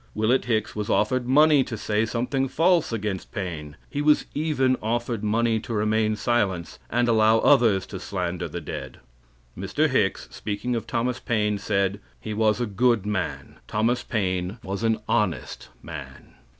Willet Hicks was offered money to say something false against Paine. He was even offered money to remain silent, and allow others to slander the dead. Mr. Hicks, speaking of Thomas Paine, said: "He was a good man. Thomas Paine was an honest man."